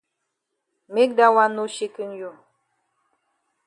Make dat wan no shaken you.